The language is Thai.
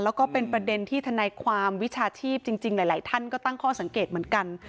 แล้วก็เป็นประเด็นที่ทนายความวิชาชีพจริงหลายท่านก็ตั้งข้อสังเกตเหมือนกัน